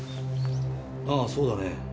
ああそうだね。